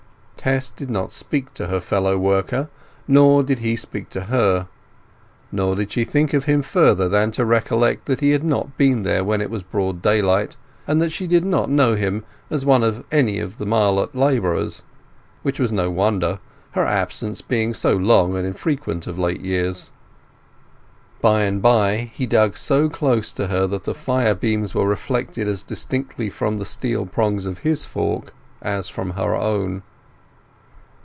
Tess did not speak to her fellow worker, nor did he speak to her. Nor did she think of him further than to recollect that he had not been there when it was broad daylight, and that she did not know him as any one of the Marlott labourers, which was no wonder, her absences having been so long and frequent of late years. By and by he dug so close to her that the fire beams were reflected as distinctly from the steel prongs of his fork as from her own.